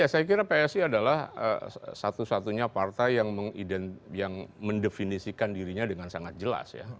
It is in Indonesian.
ya saya kira psi adalah satu satunya partai yang mendefinisikan dirinya dengan sangat jelas ya